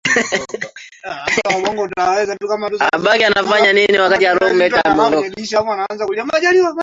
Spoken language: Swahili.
matangazo yanaweza kuwa na mifumo tofauti kulingana na ujumbe